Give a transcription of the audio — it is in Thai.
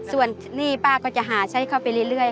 ส่วนหนี้ป้าก็จะหาใช้เข้าไปเรื่อย